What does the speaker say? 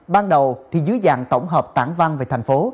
ban đầu thì dưới dạng tổng hợp tảng văn về thành phố